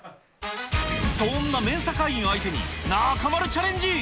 そんなメンサ会員相手に、中丸チャレンジ。